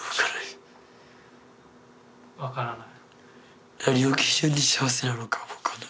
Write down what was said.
分からない？